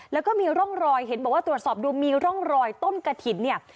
แล้วก็มีร่องรอยเห็นบอกว่าตรวจสอบดูมีร่องรอยต้นกระถิ่นเนี่ย